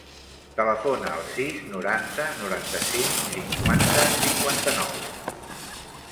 Telefona al sis, noranta, noranta-cinc, cinquanta, cinquanta-nou.